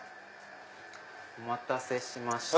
お待たせしました。